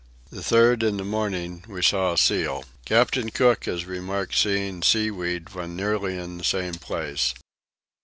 The 3rd in the morning we saw a seal. Captain Cook has remarked seeing seaweed when nearly in the same place.